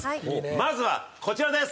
まずは、こちらです。